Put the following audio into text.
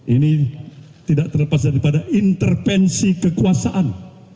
ini tidak terlepas daripada intervensi kekuasaan